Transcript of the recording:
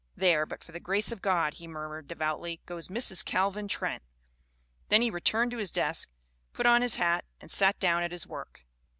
There, but for the grace of God/ he murmured de voutly, 'goes Mrs. Calvin Trent.' Then he returned to his desk, put on his hat, and sat down at his work."